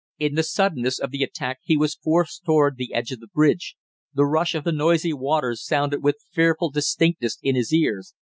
In the suddenness of the attack he was forced toward the edge of the bridge. The rush of the noisy waters sounded with fearful distinctness in his ears.